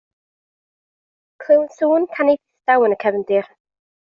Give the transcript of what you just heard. Clywn sŵn canu distaw yn y cefndir.